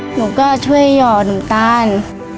หนูก็ช่วยหย่อหนูตาล